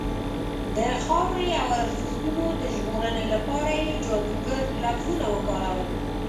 د خاورې او ارزښتونو د ژغورنې لپاره یې جادوګر لفظونه وکارول.